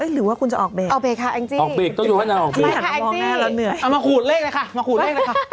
หรือว่าคุณจะออกเบสค่ะออกเบสค่ะแอ๊งจี้ที่ท่านมองหน้าแล้วเหนื่อยเอามาขูดเลขเลยค่ะ